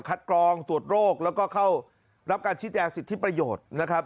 กรองตรวจโรคแล้วก็เข้ารับการชี้แจงสิทธิประโยชน์นะครับ